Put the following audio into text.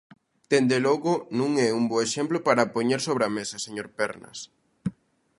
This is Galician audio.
Dende logo, non é un bo exemplo para poñer sobre a mesa, señor Pernas.